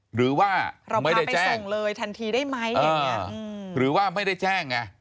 หรือว่าไม่ได้แจ้งหรือว่าไม่ได้แจ้งไง